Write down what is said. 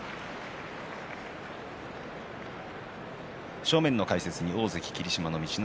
正面の解説は大関霧島の陸奥